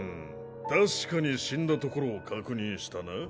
確かに死んだところを確認したな？